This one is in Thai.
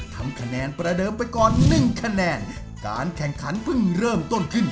ทำคะแนนประเดิมไปก่อนหนึ่งคะแนน